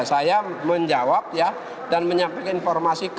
saya menjawab ya dan menyampaikan informasi ke bijak